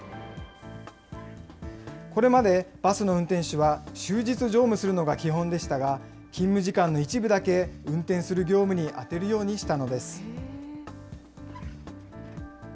これまでバスの運転手は、終日乗務するのが基本でしたが、勤務時間の一部だけ運転する業務に充てるようにしたのです。